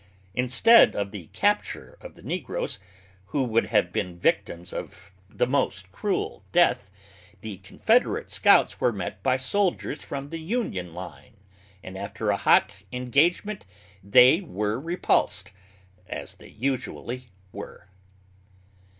Instead of the capture of the negroes, who would have been victims of the most cruel death, the Confederate scouts were met by soldiers from the Union line, and after a hot engagement they were repulsed, as they usually were.